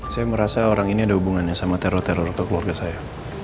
saya merasa orang ini ada hubungannya sama teror teror atau keluarga saya